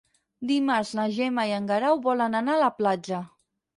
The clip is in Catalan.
Dimarts na Gemma i en Guerau volen anar a la platja.